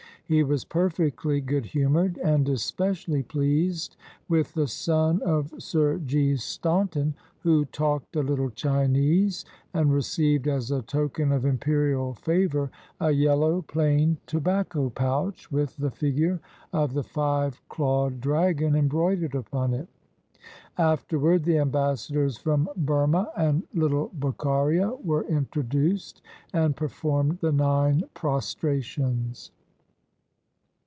He was perfectly good humored, and especially pleased with the son of Sir G. Staunton, who talked a little Chinese, and received as a token of imperial favor a yellow plain tobacco pouch with the figure of the five clawed dragon embroidered upon it. Afterward the ambassadors from Burmah and little Bukharia were introduced and performed the nine pros trations.